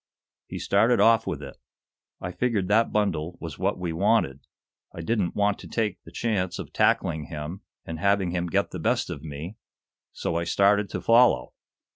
He started off with it. I figured that bundle was what we wanted. I didn't want to take the chance of tackling him and having him get the best of me, so I started to follow.